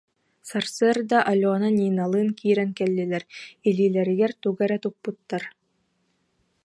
Сарсыарда Алена Ниналыын киирэн кэллилэр, илиилэригэр тугу эрэ туппуттар